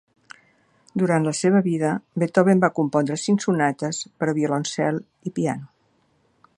Durant la seva vida Beethoven va compondre cinc sonates per a violoncel i piano.